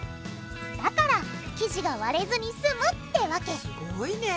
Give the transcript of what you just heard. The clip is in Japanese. だから生地が割れずに済むってわけすごいね！